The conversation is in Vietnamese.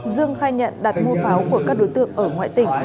dương khai nhận đặt mua pháo của các đối tượng ở ngoại tỉnh